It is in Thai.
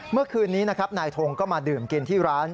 เมื่อคืนนี้นะครับนายทงก็มาดื่มกินที่ร้าน